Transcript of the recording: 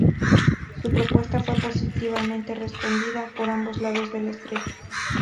Su propuesta fue positivamente respondida por ambos lados del estrecho.